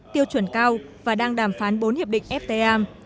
tiêu chuẩn cao và đang đàm phán bốn hiệp định ftam